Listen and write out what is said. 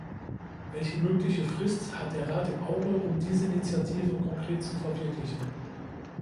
Welche mögliche Frist hat der Rat im Auge, um diese Initiative konkret zu verwirklichen?